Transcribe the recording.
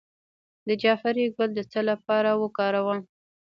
د جعفری ګل د څه لپاره وکاروم؟